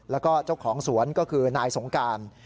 แล้วก็เจ้าของสวนก็คือนายสงการ